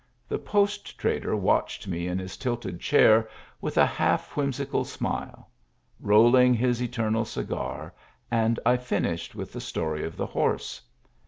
The post trader watched me in his tilted chair, with a half whim sical smile, rolling his eternal cigar, and I finished with the story of the horse.